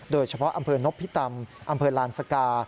โดยเฉพาะอำเภอนพิตำอำเภอลานสกา